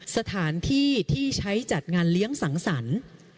สถานที่ที่ใช้จัดงานเลี้ยงสังสรรค์